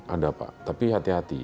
ada pak tapi hati hati